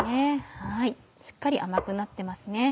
しっかり甘くなってますね。